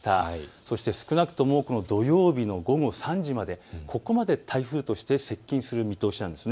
そして少なくともこの土曜日の午後３時までここまで台風として接近する見通しなんです。